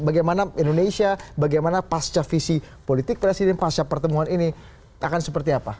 bagaimana indonesia bagaimana pasca visi politik presiden pasca pertemuan ini akan seperti apa